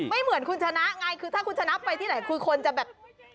ไม่เหมือนคุณชนะไงคือถ้าคุณชนะไปที่ไหนคือคนจะแบบ